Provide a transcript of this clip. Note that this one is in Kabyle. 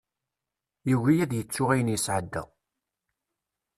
Yugi ad yettu ayen yesɛedda.